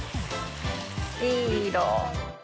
いい色。